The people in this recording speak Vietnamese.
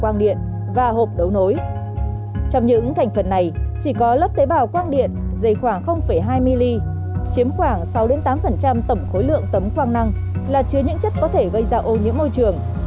hai mm chiếm khoảng sáu tám tổng khối lượng tấm khoang năng là chứa những chất có thể gây ra ô nhiễm môi trường